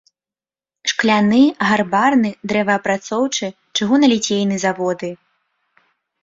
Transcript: Шкляны, гарбарны, дрэваапрацоўчы, чыгуналіцейны заводы.